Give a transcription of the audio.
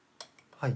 はい。